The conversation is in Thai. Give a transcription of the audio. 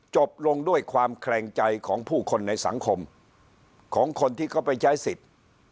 จบลงด้วยความแขลงใจของผู้คนในสังคมของคนที่เขาไปใช้สิทธิ์